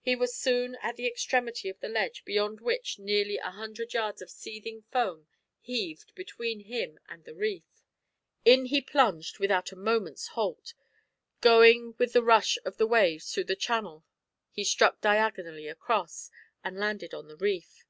He was soon at the extremity of the ledge beyond which nearly a hundred yards of seething foam heaved between him and the reef. In he plunged without a moment's halt. Going with the rush of the waves through the channel he struck diagonally across, and landed on the reef.